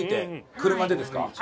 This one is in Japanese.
車でですか？